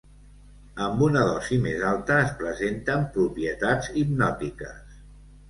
Amb una dosi més alta es presenten propietats hipnòtiques.